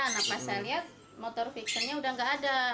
nah pas saya lihat motor fixennya udah gak ada